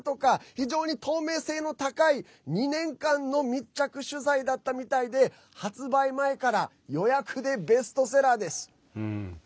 非常に透明性の高い２年間の密着取材だったみたいで発売前から予約でベストセラーです。